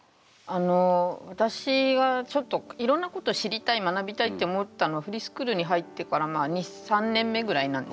あの私はちょっといろんなこと知りたい学びたいって思ったのはフリースクールに入ってから２３年目ぐらいなんです。